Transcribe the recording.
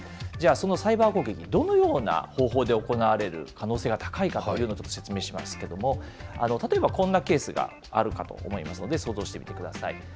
じゃあ、そのサイバー攻撃、どのような方法で行われる可能性が高いかというのを説明しますけれども、例えばこんなケースがあるかと思いますので、想像してみてください。